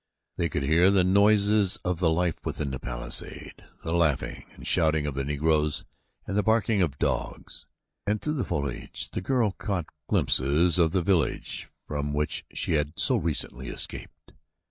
They could hear the noises of the life within the palisade, the laughing and shouting of the Negroes, and the barking of dogs, and through the foliage the girl caught glimpses of the village from which she had so recently escaped.